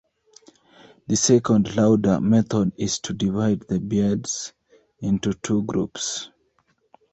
The second, louder, method is to divide the beads into two groups.